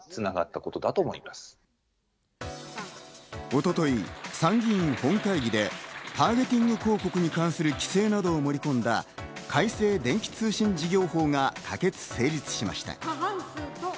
一昨日、参議院本会議でターゲティング広告に関する規制などを盛り込んだ改正電気通信事業法が可決・成立しました。